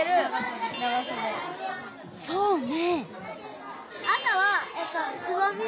そうね。